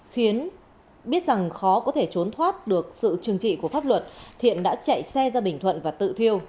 khiến biết rằng khó có thể trốn thoát được sự trừng trị của pháp luật thiện đã chạy xe ra bình thuận và tự thiêu